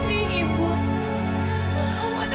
aku harus bangun pak